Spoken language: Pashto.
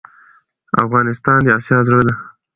افغانستان دي اسيا زړه ده